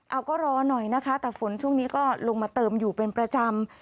เอาก็รอหน่อยนะคะแต่ฝนช่วงนี้ก็ลงมาเติมอยู่เป็นประจำ